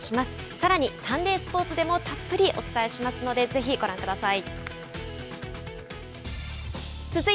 さらにサンデースポーツでもたっぷりお伝えしますのでぜひご覧ください。